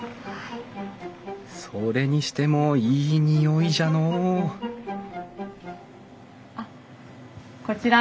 それにしてもいい匂いじゃのうあっこちら